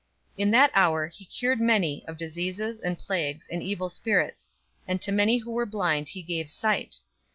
'" 007:021 In that hour he cured many of diseases and plagues and evil spirits; and to many who were blind he gave sight.